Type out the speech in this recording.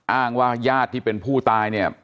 อ้างว่าญาติที่เป็นผู้ตายเนี่ย